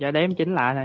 dạ đêm chỉnh lại thầy